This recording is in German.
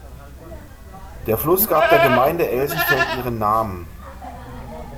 Der Fluss gab der Gemeinde Elsenfeld ihren Namen.